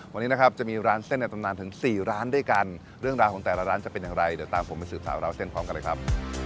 วันนี้นะครับจะมีร้านเส้นในตำนานถึง๔ร้านด้วยกันเรื่องราวของแต่ละร้านจะเป็นอย่างไรเดี๋ยวตามผมไปสื่อสาวราวเส้นพร้อมกันเลยครับ